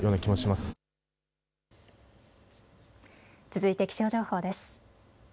続いて気象情報です。